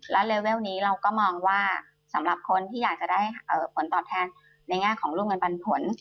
และเลเวลนี้เราก็มองว่าสำหรับคนที่อยากจะได้ผลตอบแทนในแง่ของลูกเงินปันผล